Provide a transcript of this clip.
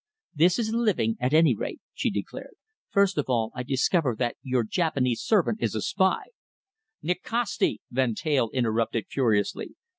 "This is living, at any rate," she declared. "First of all I discover that your Japanese servant is a spy " "Nikasti!" Van Teyl interrupted furiously.